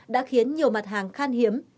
đã khiến nhiều mặt hàng khan hiếm